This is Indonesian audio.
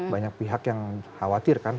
banyak pihak yang khawatir kan